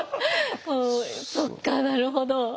そっかなるほど。